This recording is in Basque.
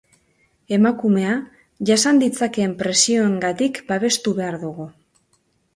Emakumea jasan ditzakeen presioengatik babestu behar dugu.